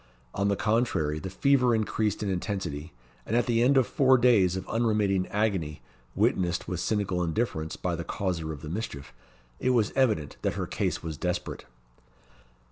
On the contrary, the fever increased in intensity; and at the end of four days of unremitting agony, witnessed with cynical indifference by the causer of the mischief, it was evident that her case was desperate.